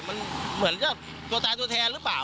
มันเหมือนกับตัวตายตัวแทนหรือเปล่า